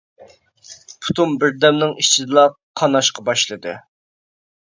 پۇتۇم بىردەمنىڭ ئىچىدىلا قاناشقا باشلىدى.